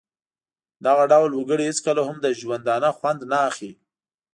دغه ډول وګړي هېڅکله هم له ژوندانه خوند نه اخلي.